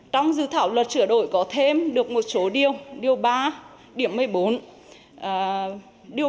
trong dự thảo luật sửa đổi có thêm được một số điều điều ba một mươi bốn điều bảy hai